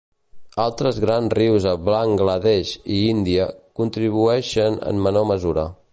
Altres grans rius a Bangladesh i Índia contribueixen en menor mesura.